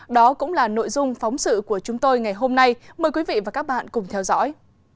đó cũng là nội dung phóng sự của chúng tôi ngày hôm nay mời quý vị và các bạn cùng theo dõi